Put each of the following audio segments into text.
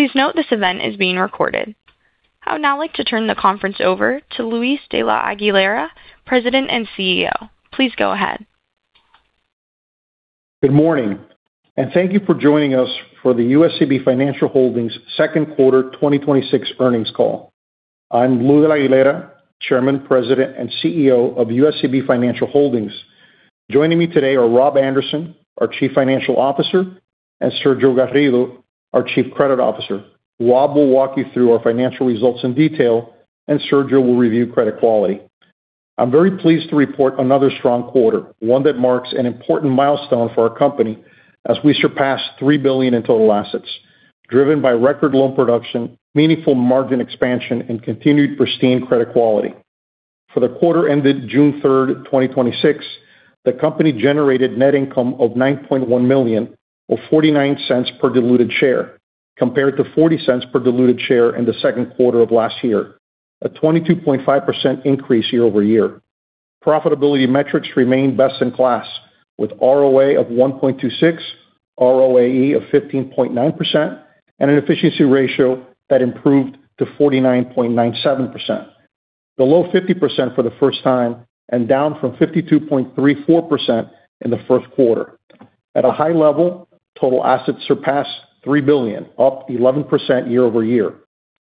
Please note this event is being recorded. I would now like to turn the conference over to Luis de la Aguilera, President and CEO. Please go ahead. Good morning. Thank you for joining us for the USCB Financial Holdings second quarter 2026 earnings call. I'm Luis de la Aguilera, Chairman, President, and CEO of USCB Financial Holdings. Joining me today are Rob Anderson, our Chief Financial Officer, and Sergio Garrido, our Chief Credit Officer. Rob will walk you through our financial results in detail, and Sergio will review credit quality. I'm very pleased to report another strong quarter, one that marks an important milestone for our company as we surpass $3 billion in total assets, driven by record loan production, meaningful margin expansion, and continued pristine credit quality. For the quarter ended June 3rd, 2026, the company generated net income of $9.1 million, or $0.49 per diluted share, compared to $0.40 per diluted share in the second quarter of last year, a 22.5% increase year-over-year. Profitability metrics remain best in class with ROA of 1.26%, ROAE of 15.9%, and an efficiency ratio that improved to 49.97%, below 50% for the first time and down from 52.34% in the first quarter. At a high level, total assets surpassed $3 billion, up 11% year-over-year.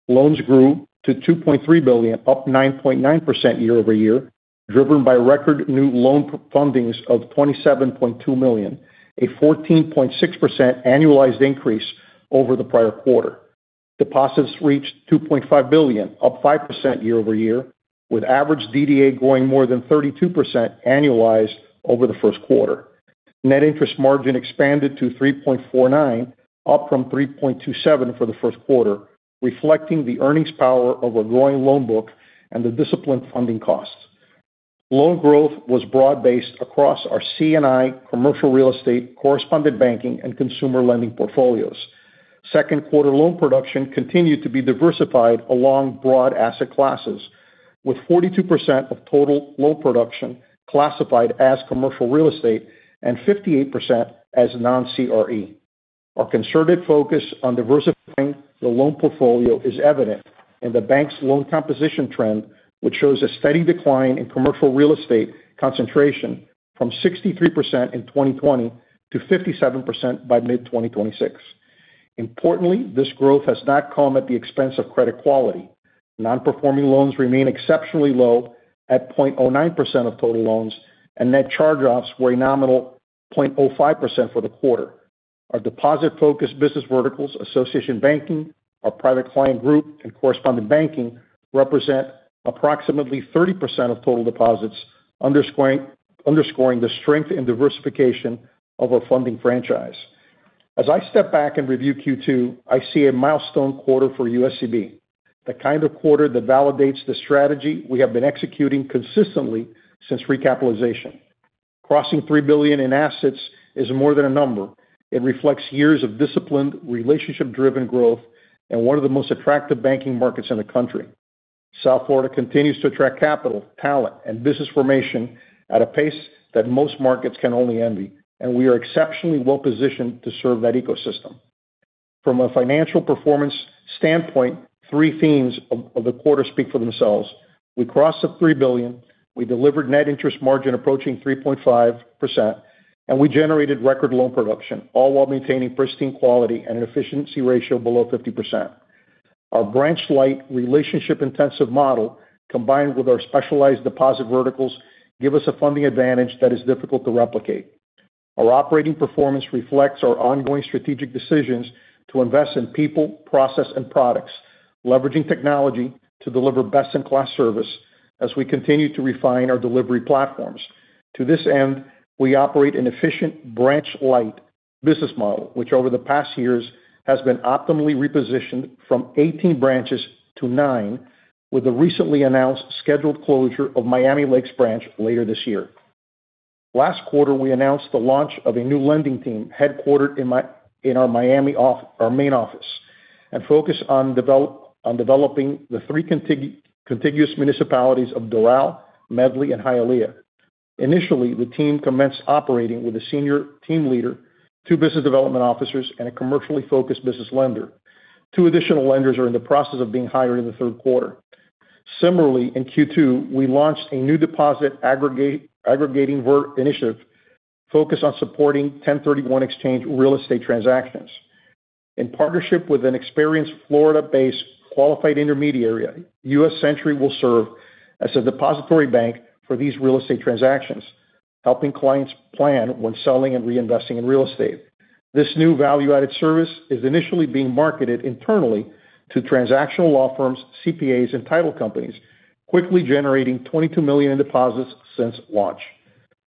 Loans grew to $2.3 billion, up 9.9% year-over-year, driven by record new loan fundings of $27.2 million, a 14.6% annualized increase over the prior quarter. Deposits reached $2.5 billion, up 5% year-over-year, with average DDA growing more than 32% annualized over the first quarter. Net interest margin expanded to 3.49%, up from 3.27% for the first quarter, reflecting the earnings power of a growing loan book and the disciplined funding costs. Loan growth was broad-based across our C&I, commercial real estate, Correspondent Banking, and consumer lending portfolios. Second quarter loan production continued to be diversified along broad asset classes, with 42% of total loan production classified as commercial real estate and 58% as non-CRE. Our concerted focus on diversifying the loan portfolio is evident in the bank's loan composition trend, which shows a steady decline in commercial real estate concentration from 63% in 2020 to 57% by mid-2026. Importantly, this growth has not come at the expense of credit quality. Non-performing loans remain exceptionally low at 0.09% of total loans, and net charge-offs were a nominal 0.05% for the quarter. Our deposit-focused business verticals, Association Banking, our Private Client Group, and Correspondent Banking represent approximately 30% of total deposits, underscoring the strength and diversification of our funding franchise. As I step back and review Q2, I see a milestone quarter for USCB, the kind of quarter that validates the strategy we have been executing consistently since recapitalization. Crossing $3 billion in assets is more than a number. It reflects years of disciplined, relationship-driven growth in one of the most attractive banking markets in the country. South Florida continues to attract capital, talent, and business formation at a pace that most markets can only envy, and we are exceptionally well-positioned to serve that ecosystem. From a financial performance standpoint, three themes of the quarter speak for themselves. We crossed the $3 billion, we delivered net interest margin approaching 3.5%, and we generated record loan production, all while maintaining pristine quality and an efficiency ratio below 50%. Our branch-light, relationship-intensive model, combined with our specialized deposit verticals, give us a funding advantage that is difficult to replicate. Our operating performance reflects our ongoing strategic decisions to invest in people, process, and products, leveraging technology to deliver best-in-class service as we continue to refine our delivery platforms. To this end, we operate an efficient branch-light business model, which over the past years has been optimally repositioned from 18 branches to nine, with the recently announced scheduled closure of Miami Lakes branch later this year. Last quarter, we announced the launch of a new lending team headquartered in our main office and focused on developing the three contiguous municipalities of Doral, Medley, and Hialeah. Initially, the team commenced operating with a senior team leader, two business development officers, and a commercially focused business lender. Two additional lenders are in the process of being hired in the third quarter. Similarly, in Q2, we launched a new deposit aggregating initiative focused on supporting 1031 exchange real estate transactions. In partnership with an experienced Florida-based qualified intermediary, U.S. Century will serve as a depository bank for these real estate transactions, helping clients plan when selling and reinvesting in real estate. This new value-added service is initially being marketed internally to transactional law firms, CPAs, and title companies, quickly generating $22 million in deposits since launch.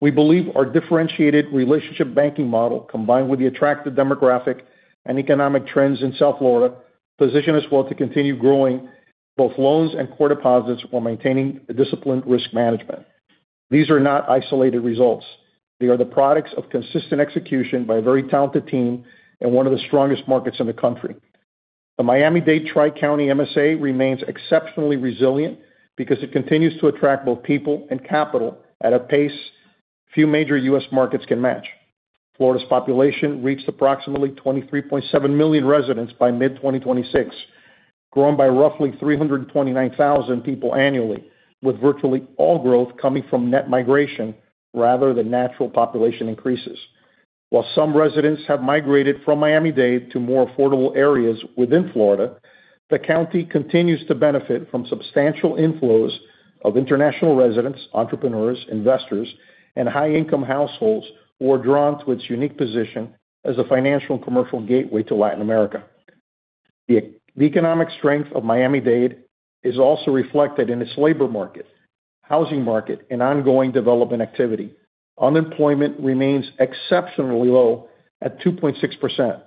We believe our differentiated relationship banking model, combined with the attractive demographic and economic trends in South Florida, position us well to continue growing both loans and core deposits while maintaining a disciplined risk management. These are not isolated results. They are the products of consistent execution by a very talented team in one of the strongest markets in the country. The Miami-Dade tri-county MSA remains exceptionally resilient because it continues to attract both people and capital at a pace few major U.S. markets can match. Florida's population reached approximately 23.7 million residents by mid-2026, growing by roughly 329,000 people annually, with virtually all growth coming from net migration rather than natural population increases. While some residents have migrated from Miami-Dade to more affordable areas within Florida, the county continues to benefit from substantial inflows of international residents, entrepreneurs, investors, and high-income households who are drawn to its unique position as a financial and commercial gateway to Latin America. The economic strength of Miami-Dade is also reflected in its labor market, housing market, and ongoing development activity. Unemployment remains exceptionally low at 2.6%,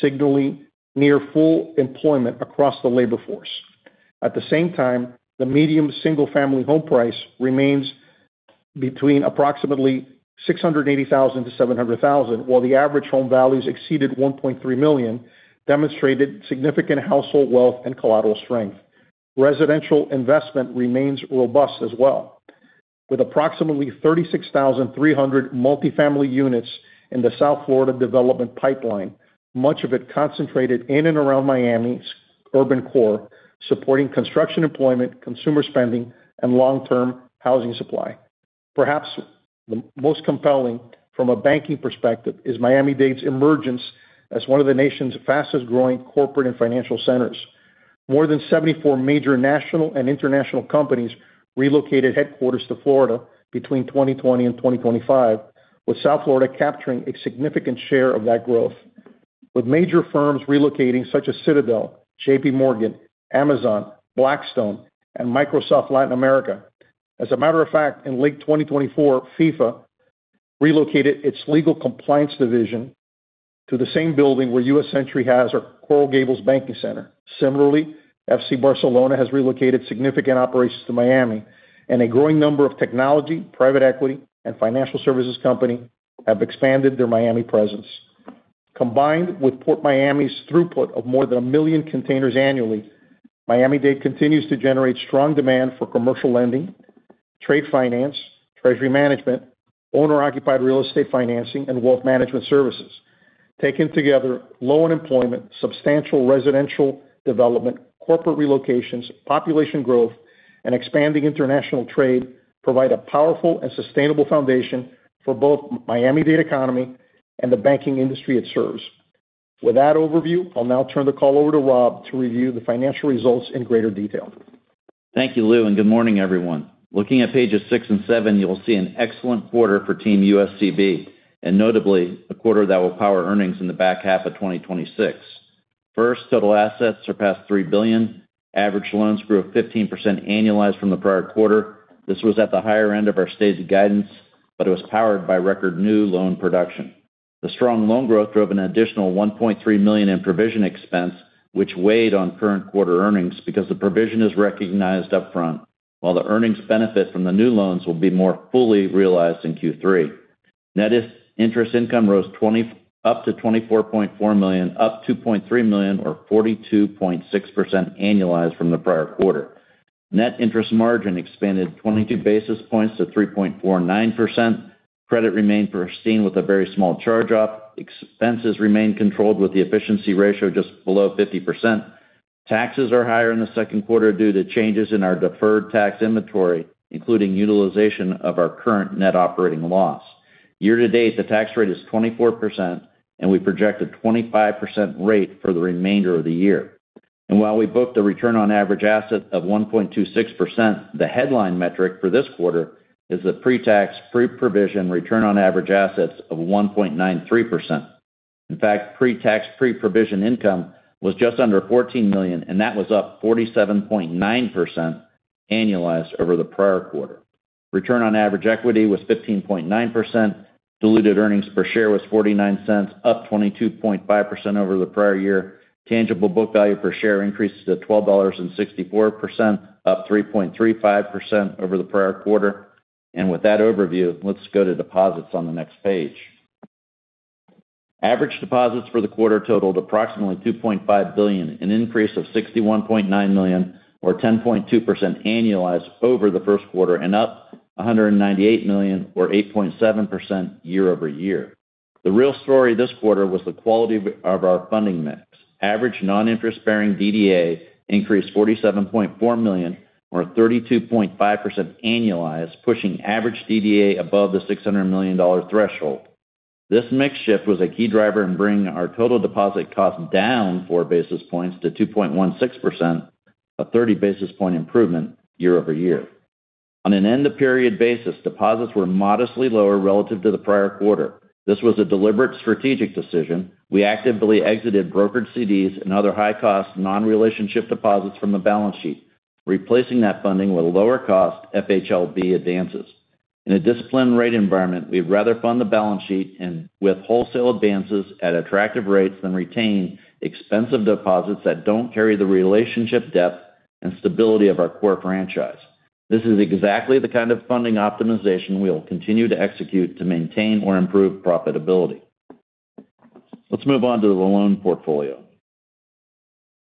signaling near full employment across the labor force. At the same time, the median single-family home price remains between approximately $680,000-$700,000, while the average home values exceeded $1.3 million, demonstrating significant household wealth and collateral strength. Residential investment remains robust as well, with approximately 36,300 multi-family units in the South Florida development pipeline, much of it concentrated in and around Miami's urban core, supporting construction employment, consumer spending, and long-term housing supply. Perhaps the most compelling from a banking perspective is Miami-Dade's emergence as one of the nation's fastest-growing corporate and financial centers. More than 74 major national and international companies relocated headquarters to Florida between 2020 and 2025, with South Florida capturing a significant share of that growth, with major firms relocating such as Citadel, JPMorgan, Amazon, Blackstone, and Microsoft Latin America. As a matter of fact, in late 2024, FIFA relocated its legal compliance division to the same building where U.S. Century has our Coral Gables Banking Center. Similarly, FC Barcelona has relocated significant operations to Miami, and a growing number of technology, private equity, and financial services company have expanded their Miami presence. Combined with Port Miami's throughput of more than 1 million containers annually, Miami-Dade continues to generate strong demand for commercial lending, trade finance, treasury management, owner-occupied real estate financing, and wealth management services. Taken together, low unemployment, substantial residential development, corporate relocations, population growth, and expanding international trade provide a powerful and sustainable foundation for both Miami-Dade economy and the banking industry it serves. With that overview, I'll now turn the call over to Rob to review the financial results in greater detail. Thank you, Lou, and good morning, everyone. Looking at pages six and seven, you'll see an excellent quarter for Team USCB, and notably a quarter that will power earnings in the back half of 2026. First, total assets surpassed $3 billion. Average loans grew 15% annualized from the prior quarter. This was at the higher end of our stated guidance, but it was powered by record new loan production. The strong loan growth drove an additional $1.3 million in provision expense, which weighed on current quarter earnings because the provision is recognized up front, while the earnings benefit from the new loans will be more fully realized in Q3. Net interest income rose up to $24.4 million, up $2.3 million or 42.6% annualized from the prior quarter. Net interest margin expanded 22 basis points to 3.49%. Credit remained pristine with a very small charge-off. Expenses remain controlled with the efficiency ratio just below 50%. Taxes are higher in the second quarter due to changes in our differed tax inventory. Including utilization of our current net operating loss. Year-to-date, the tax rate is 24%, and we project a 25% rate for the remainder of the year. And while we booked a return on average asset of 1.26%, the headline metric for this quarter is the pre-tax, pre-provision return on average assets of 1.93%. In fact, pre-tax, pre-provision income was just under $14 million, and that was up 47.9% annualized over the prior quarter. Return on average equity was 15.9%. Diluted earnings per share was $0.49, up 22.5% over the prior year. Tangible book value per share increases to $12.64, up 3.35% over the prior quarter. With that overview, let's go to deposits on the next page. Average deposits for the quarter totaled approximately $2.5 billion, an increase of $61.9 million or 10.2% annualized over the first quarter and up $198 million or 8.7% year-over-year. The real story this quarter was the quality of our funding mix. Average non-interest-bearing DDA increased $47.4 million or 32.5% annualized, pushing average DDA above the $600 million threshold. This mix shift was a key driver in bringing our total deposit cost down 4 basis points to 2.16%, a 30 basis point improvement year-over-year. On an end-of-period basis, deposits were modestly lower relative to the prior quarter. This was a deliberate strategic decision. We actively exited brokered CDs and other high-cost non-relationship deposits from the balance sheet, replacing that funding with lower cost FHLB advances. In a disciplined rate environment, we'd rather fund the balance sheet with wholesale advances at attractive rates than retain expensive deposits that don't carry the relationship depth and stability of our core franchise. This is exactly the kind of funding optimization we will continue to execute to maintain or improve profitability. Let's move on to the loan portfolio.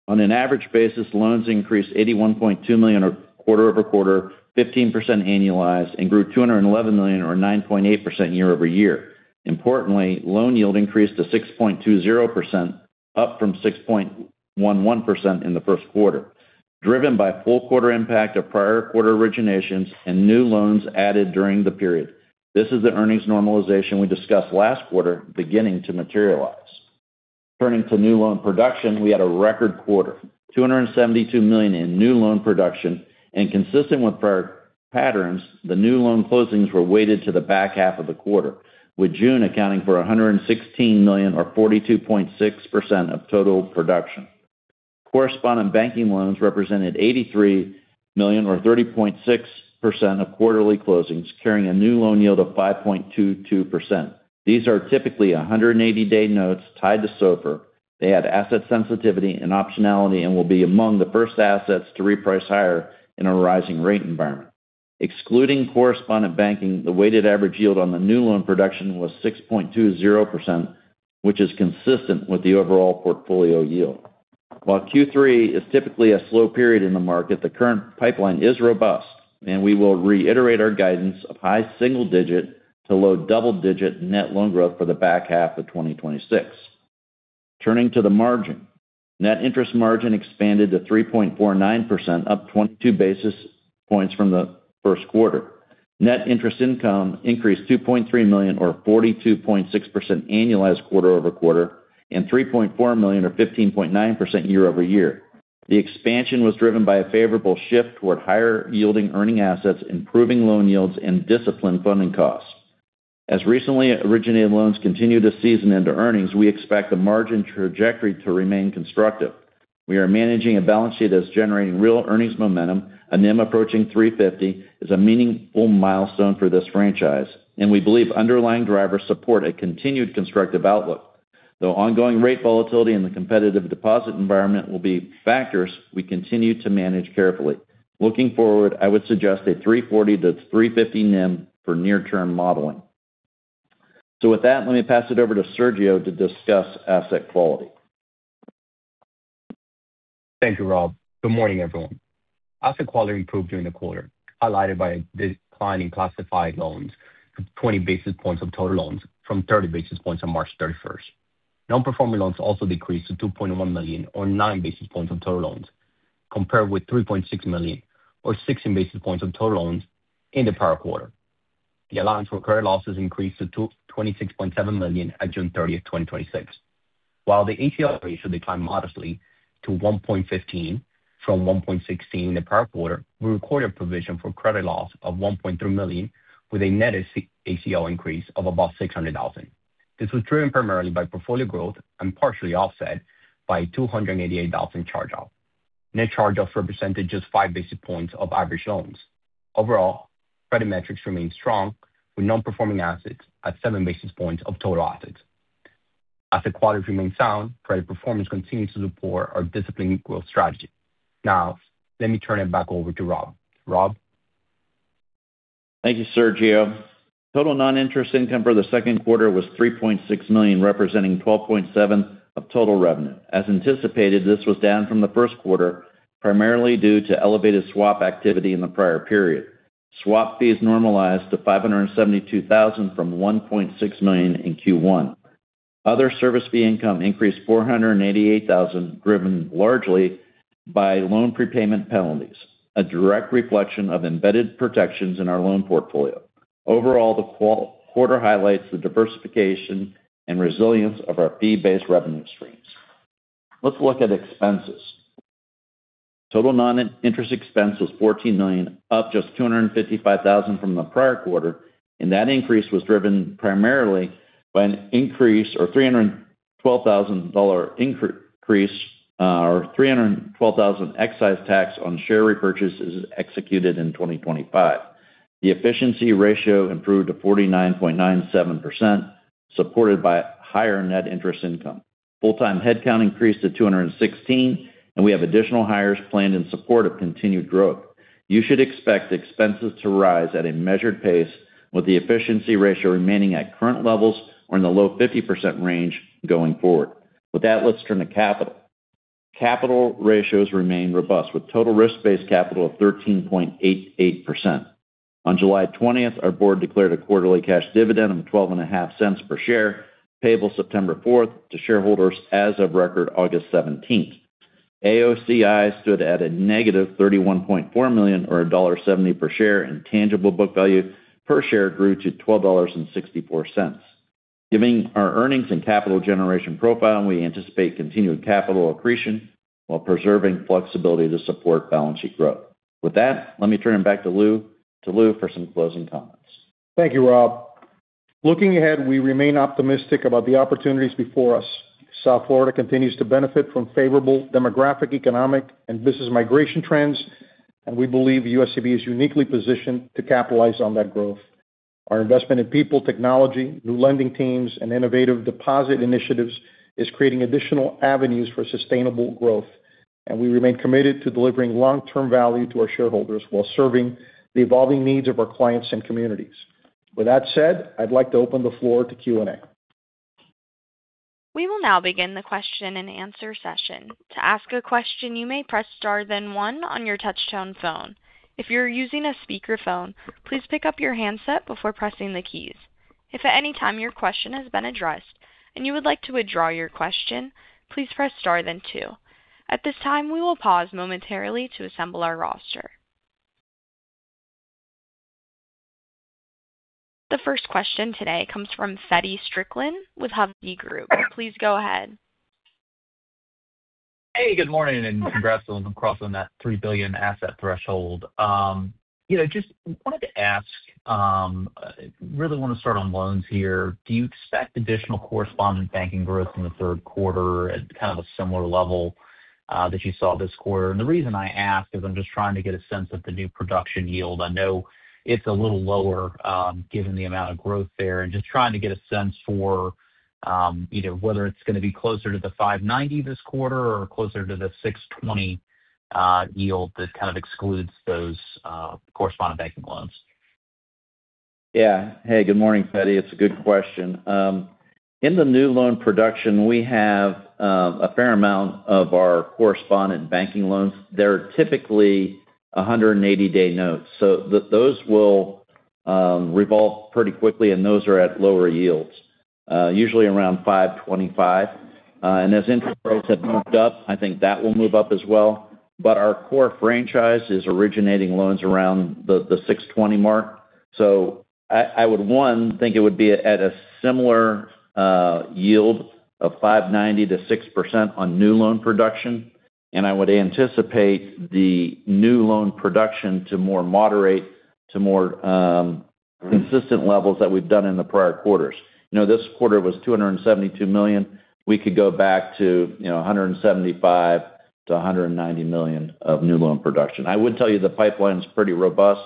On an average basis, loans increased $81.2 million or quarter-over-quarter, 15% annualized, and grew $211 million or 9.8% year-over-year. Importantly, loan yield increased to 6.20%, up from 6.11% in the first quarter, driven by full quarter impact of prior quarter originations and new loans added during the period. This is the earnings normalization we discussed last quarter beginning to materialize. Turning to new loan production, we had a record quarter, $272 million in new loan production. Consistent with prior patterns, the new loan closings were weighted to the back half of the quarter, with June accounting for $116 million or 42.6% of total production. Correspondent Banking loans represented $83 million or 30.6% of quarterly closings, carrying a new loan yield of 5.22%. These are typically 180-day notes tied to SOFR. They add asset sensitivity and optionality and will be among the first assets to reprice higher in a rising rate environment. Excluding Correspondent Banking, the weighted average yield on the new loan production was 6.20%, which is consistent with the overall portfolio yield. While Q3 is typically a slow period in the market, the current pipeline is robust, and we will reiterate our guidance of high single digit to low double digit net loan growth for the back half of 2026. Turning to the margin. Net interest margin expanded to 3.49%, up 22 basis points from the first quarter. Net interest income increased $2.3 million or 42.6% annualized quarter-over-quarter and $3.4 million or 15.9% year-over-year. The expansion was driven by a favorable shift toward higher yielding earning assets, improving loan yields and disciplined funding costs. As recently originated loans continue to season into earnings, we expect the margin trajectory to remain constructive. We are managing a balance sheet that is generating real earnings momentum. A NIM approaching 350 is a meaningful milestone for this franchise. We believe underlying drivers support a continued constructive outlook, though ongoing rate volatility in the competitive deposit environment will be factors we continue to manage carefully. Looking forward, I would suggest a 340-350 NIM for near-term modeling. With that, let me pass it over to Sergio to discuss asset quality. Thank you, Rob. Good morning, everyone. Asset quality improved during the quarter, highlighted by a decline in classified loans of 20 basis points of total loans from 30 basis points on March 31st. Non-performing loans also decreased to $2.1 million or 9 basis points of total loans, compared with $3.6 million or 16 basis points of total loans in the prior quarter. The allowance for credit losses increased to $26.7 million at June 30th, 2026. While the ACL ratio declined modestly to 1.15% from 1.16% in the prior quarter, we recorded a provision for credit loss of $1.3 million with a net ACL increase of about $600,000. This was driven primarily by portfolio growth and partially offset by $288,000 charge-off. Net charge-offs represented just 5 basis points of average loans. Overall, credit metrics remain strong with non-performing assets at 7 basis points of total assets. Asset quality remains sound. Credit performance continues to support our disciplined growth strategy. Let me turn it back over to Rob. Rob? Thank you, Sergio. Total non-interest income for the second quarter was $3.6 million, representing 12.7% of total revenue. As anticipated, this was down from the first quarter, primarily due to elevated swap activity in the prior period. Swap fees normalized to $572,000 from $1.6 million in Q1. Other service fee income increased $488,000, driven largely by loan prepayment penalties, a direct reflection of embedded protections in our loan portfolio. Overall, the quarter highlights the diversification and resilience of our fee-based revenue streams. Let's look at expenses. Total non-interest expense was $14 million, up just $255,000 from the prior quarter. That increase was driven primarily by an increase of $312,000 excise tax on share repurchases executed in 2025. The efficiency ratio improved to 49.97%, supported by higher net interest income. Full-time headcount increased to 216. We have additional hires planned in support of continued growth. You should expect expenses to rise at a measured pace, with the efficiency ratio remaining at current levels or in the low 50% range going forward. With that, let's turn to capital. Capital ratios remain robust, with total risk-based capital of 13.88%. On July 20th, our board declared a quarterly cash dividend of $0.125 per share, payable September 4th to shareholders as of record August 17th. AOCI stood at a -$31.4 million or $1.70 per share, and tangible book value per share grew to $12.64. Given our earnings and capital generation profile, we anticipate continued capital accretion while preserving flexibility to support balance sheet growth. With that, let me turn it back to Lou for some closing comments. Thank you, Rob. Looking ahead, we remain optimistic about the opportunities before us. South Florida continues to benefit from favorable demographic, economic, and business migration trends, we believe USCB is uniquely positioned to capitalize on that growth. Our investment in people, technology, new lending teams, and innovative deposit initiatives is creating additional avenues for sustainable growth, we remain committed to delivering long-term value to our shareholders while serving the evolving needs of our clients and communities. With that said, I'd like to open the floor to Q&A. We will now begin the question and answer session. To ask a question, you may press star then one on your touch-tone phone. If you're using a speakerphone, please pick up your handset before pressing the keys. If at any time your question has been addressed and you would like to withdraw your question, please press star then two. At this time, we will pause momentarily to assemble our roster. The first question today comes from Feddie Strickland with Hovde Group. Please go ahead. Hey, good morning, and congrats on crossing that $3 billion asset threshold. Just wanted to ask, really want to start on loans here. Do you expect additional Correspondent Banking growth in the third quarter at a similar level that you saw this quarter? The reason I ask is I'm just trying to get a sense of the new production yield. I know it's a little lower given the amount of growth there, and just trying to get a sense for whether it's going to be closer to the 5.90% this quarter or closer to the 6.20% yield that kind of excludes those Correspondent Banking loans. Yeah. Hey, good morning, Feddie. It's a good question. In the new loan production, we have a fair amount of our Correspondent Banking loans. They're typically 180-day notes, so those will revolve pretty quickly, and those are at lower yields, usually around 5.25%. As interest rates have moved up, I think that will move up as well. Our core franchise is originating loans around the 6.20% mark. I would, one, think it would be at a similar yield of 5.90% to 6% on new loan production. I would anticipate the new loan production to more moderate to more consistent levels that we've done in the prior quarters. This quarter was $272 million. We could go back to $175 million-$190 million of new loan production. I would tell you the pipeline's pretty robust,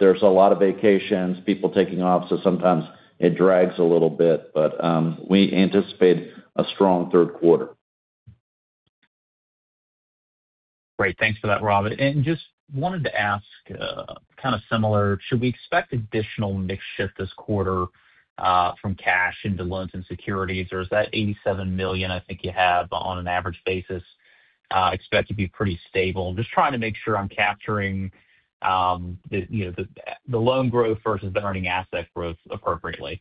there's a lot of vacations, people taking off, sometimes it drags a little bit. We anticipate a strong third quarter. Great. Thanks for that, Rob. Just wanted to ask, kind of similar, should we expect additional mix shift this quarter from cash into loans and securities, or is that $87 million I think you have on an average basis expected to be pretty stable? I'm just trying to make sure I'm capturing the loan growth versus the earning asset growth appropriately.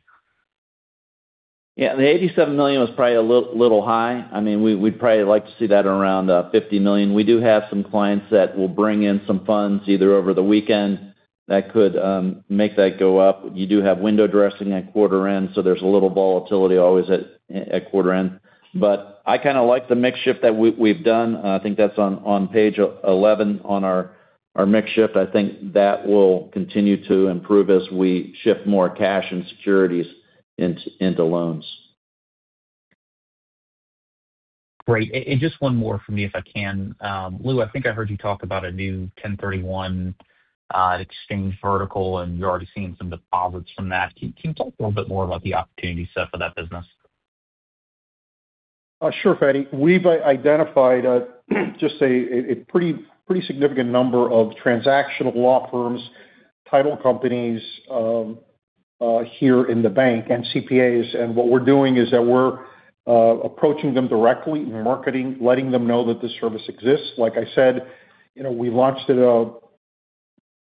Yeah. The $87 million was probably a little high. We'd probably like to see that around $50 million. We do have some clients that will bring in some funds either over the weekend. That could make that go up. You do have window dressing at quarter end, so there's a little volatility always at quarter end. I kind of like the mix shift that we've done. I think that's on page 11 on our mix shift. I think that will continue to improve as we shift more cash and securities into loans. Great. Just one more from me, if I can. Lou, I think I heard you talk about a new 1031 exchange vertical, and you're already seeing some deposits from that. Can you talk a little bit more about the opportunity set for that business? Sure, Feddie. We've identified just a pretty significant number of transactional law firms, title companies here in the bank, and CPAs. What we're doing is that we're approaching them directly and marketing, letting them know that this service exists. Like I said, we launched it a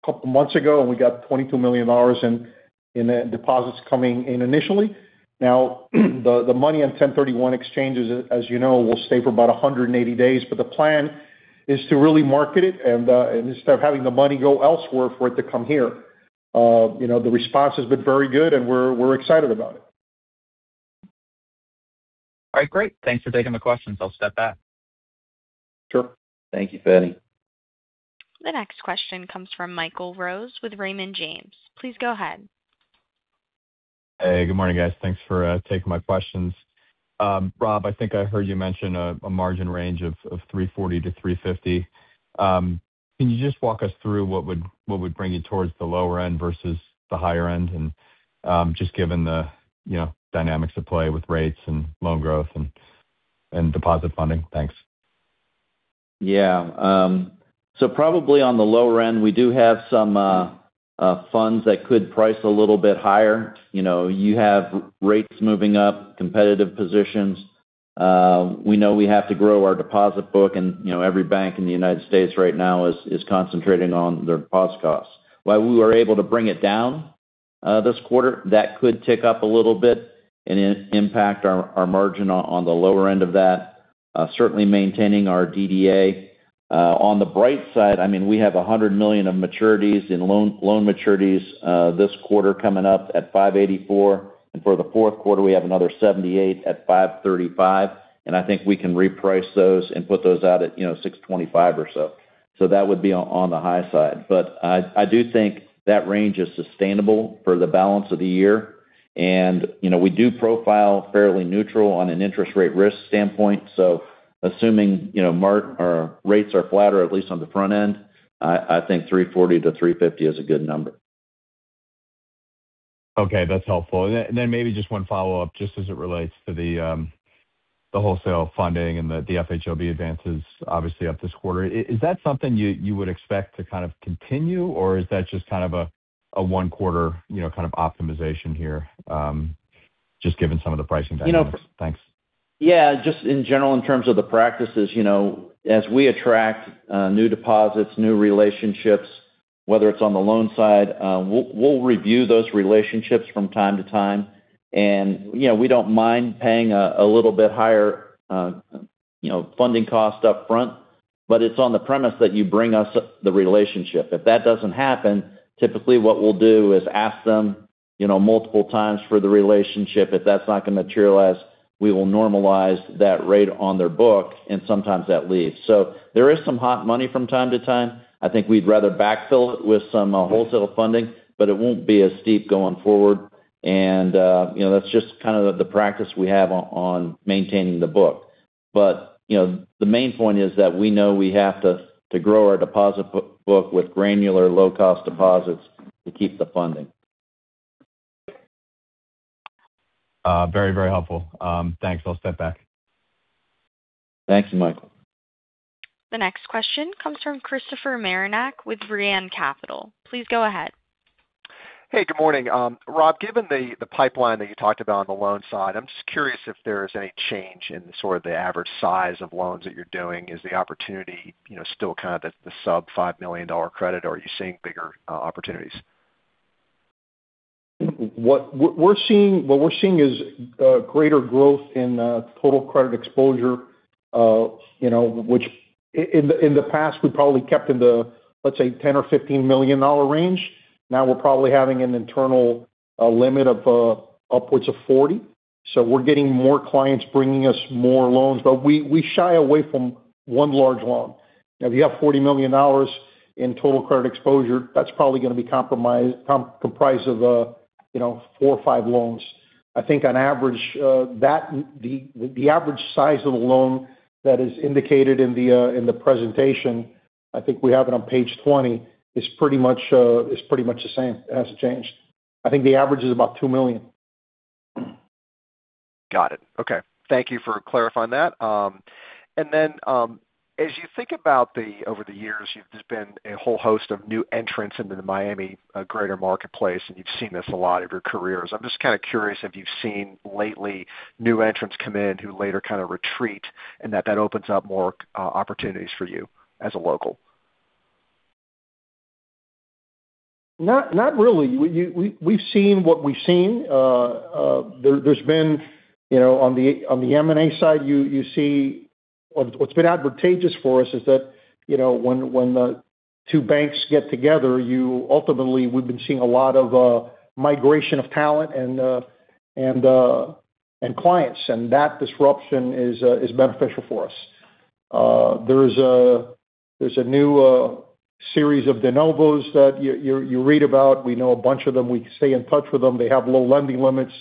couple of months ago, and we got $22 million in deposits coming in initially. Now, the money on 1031 exchanges, as you know, will stay for about 180 days, the plan is to really market it and instead of having the money go elsewhere, for it to come here. The response has been very good, and we're excited about it. All right, great. Thanks for taking the questions. I'll step back. Sure. Thank you, Feddie. The next question comes from Michael Rose with Raymond James. Please go ahead. Hey, good morning, guys. Thanks for taking my questions. Rob, I think I heard you mention a margin range of 340 to 350. Can you just walk us through what would bring you towards the lower end versus the higher end and just given the dynamics at play with rates and loan growth and deposit funding? Thanks. Yeah. Probably on the lower end, we do have some funds that could price a little bit higher. You have rates moving up, competitive positions. We know we have to grow our deposit book, and every bank in the United States right now is concentrating on their deposit costs. While we were able to bring it down this quarter, that could tick up a little bit and impact our margin on the lower end of that. Certainly maintaining our DDA. On the bright side, we have $100 million of maturities in loan maturities this quarter coming up at 584. For the fourth quarter, we have another $78 million at 535, and I think we can reprice those and put those out at 625 or so. That would be on the high side. I do think that range is sustainable for the balance of the year. We do profile fairly neutral on an interest rate risk standpoint. Assuming our rates are flatter, at least on the front end, I think 340-350 is a good number. Okay, that's helpful. Maybe just one follow-up, just as it relates to the wholesale funding and the FHLB advances obviously up this quarter. Is that something you would expect to kind of continue? Or is that just kind of a one quarter kind of optimization here, just given some of the pricing dynamics? Thanks. Yeah, just in general, in terms of the practices, as we attract new deposits, new relationships, whether it's on the loan side, we'll review those relationships from time to time. We don't mind paying a little bit higher funding cost up front, but it's on the premise that you bring us the relationship. If that doesn't happen, typically what we'll do is ask them multiple times for the relationship. If that's not going to materialize, we will normalize that rate on their book, and sometimes that leaves. There is some hot money from time to time. I think we'd rather backfill it with some wholesale funding, but it won't be as steep going forward. That's just kind of the practice we have on maintaining the book. The main point is that we know we have to grow our deposit book with granular low-cost deposits to keep the funding. Very helpful. Thanks. I'll step back. Thanks, Michael. The next question comes from Christopher Marinac with Brean Capital. Please go ahead. Hey, good morning. Rob, given the pipeline that you talked about on the loan side, I'm just curious if there is any change in sort of the average size of loans that you're doing. Is the opportunity still kind of the sub $5 million credit, or are you seeing bigger opportunities? What we're seeing is greater growth in total credit exposure, which in the past we probably kept in the, let's say, $10 million or $15 million range. We're probably having an internal limit of upwards of $40 million. We shy away from one large loan. Now, if you have $40 million in total credit exposure, that's probably going to be comprised of four or five loans. I think on average, the average size of a loan that is indicated in the presentation, I think we have it on page 20, is pretty much the same. It hasn't changed. I think the average is about $2 million. Got it. Okay. Thank you for clarifying that. As you think about over the years, there's been a whole host of new entrants into the Miami greater marketplace, and you've seen this a lot of your careers. I'm just kind of curious if you've seen lately new entrants come in who later kind of retreat and that opens up more opportunities for you as a local. Not really. We've seen what we've seen. On the M&A side, what's been advantageous for us is that when the two banks get together, ultimately, we've been seeing a lot of migration of talent and clients, and that disruption is beneficial for us. There's a new series of de novos that you read about. We know a bunch of them. We stay in touch with them. They have low lending limits.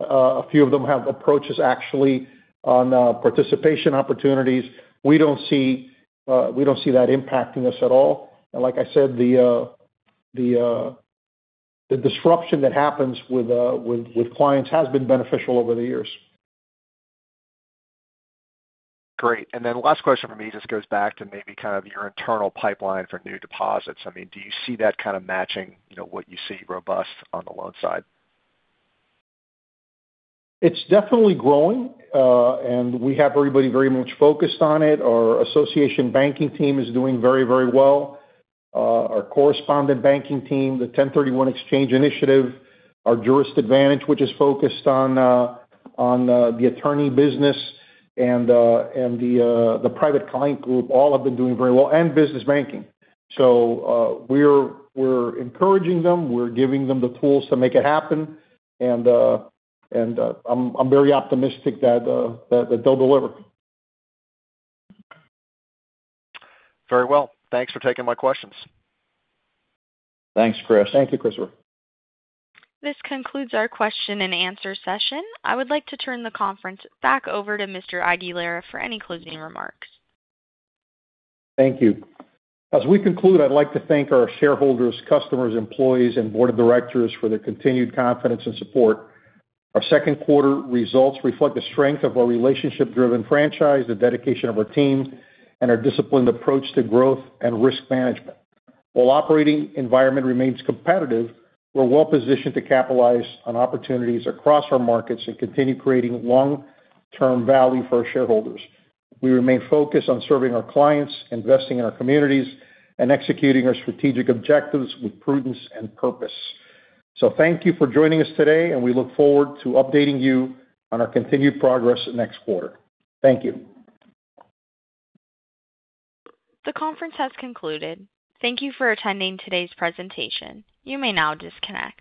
A few of them have approaches, actually, on participation opportunities. We don't see that impacting us at all. Like I said, the disruption that happens with clients has been beneficial over the years. Great. Last question from me just goes back to maybe kind of your internal pipeline for new deposits. I mean, do you see that kind of matching what you see robust on the loan side? It's definitely growing. We have everybody very much focused on it. Our Association Banking team is doing very well. Our Correspondent Banking team, the 1031 exchange initiative, our Jurist Advantage, which is focused on the attorney business, and the Private Client Group all have been doing very well and business banking. We're encouraging them. We're giving them the tools to make it happen. I'm very optimistic that they'll deliver. Very well. Thanks for taking my questions. Thanks, Chris. Thank you, Christopher. This concludes our question and answer session. I would like to turn the conference back over to Mr. Aguilera for any closing remarks. Thank you. As we conclude, I'd like to thank our shareholders, customers, employees, and board of directors for their continued confidence and support. Our second quarter results reflect the strength of our relationship-driven franchise, the dedication of our team, and our disciplined approach to growth and risk management. While operating environment remains competitive, we're well-positioned to capitalize on opportunities across our markets and continue creating long-term value for our shareholders. We remain focused on serving our clients, investing in our communities, and executing our strategic objectives with prudence and purpose. Thank you for joining us today, and we look forward to updating you on our continued progress next quarter. Thank you. The conference has concluded. Thank you for attending today's presentation. You may now disconnect.